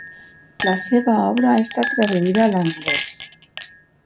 La seva obra ha estat traduïda a l'anglès.